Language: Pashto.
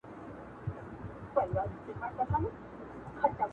د هغه مروجو او رواجي خیالونو تر اغیز لاندې راځې